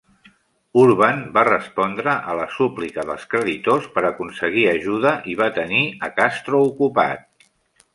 Urban va respondre a la súplica dels creditors per aconseguir ajuda i va tenir a Castro ocupat.